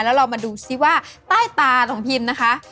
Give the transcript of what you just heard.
แล้วเรามาดูซิว่าใต้ตาของพิมนะคะ